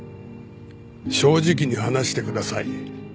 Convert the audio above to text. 正直に話してください。